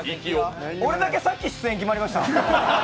俺だけさっき出演決まりました？